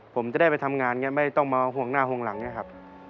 ผมจะได้ไปทำงานไงไม่ต้องมาห่วงหน้าห่วงหลังไงครับ